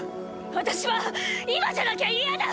私は今じゃなきゃ嫌だ！！